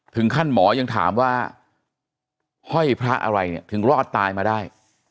ถึงขั้นหมอยังถามว่าห้อยพระอะไรเนี่ยถึงรอดตายมาได้